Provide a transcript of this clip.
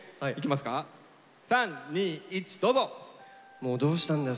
もうどうしたんだよ